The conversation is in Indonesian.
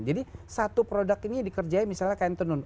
jadi satu produk ini dikerjain misalnya kain tenun